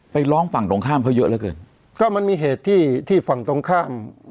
ไปร้องฝั่งตรงข้ามเขาเยอะเหลือเกินก็มันมีเหตุที่ที่ฝั่งตรงข้าม